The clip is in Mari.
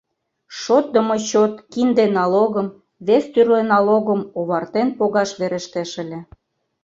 Шотдымо чот кинде налогым, вес тӱрлӧ налогым овартен погаш верештеш ыле.